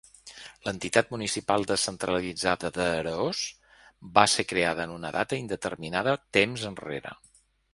L'Entitat Municipal Descentralitzada d'Araós va ser creada en una data indeterminada temps enrere.